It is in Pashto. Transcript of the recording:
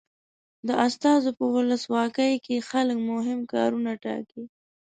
د استازو په ولسواکي کې خلک مهم کارونه ټاکي.